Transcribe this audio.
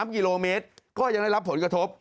๓กิโลเมตรก็ยังได้รับผลกระทบ